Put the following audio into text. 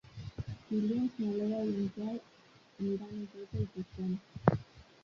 Dilluns na Lea i en Quel aniran a Josa i Tuixén.